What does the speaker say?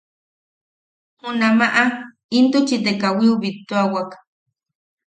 Junamaʼa intuchi te kawiu bittuawak.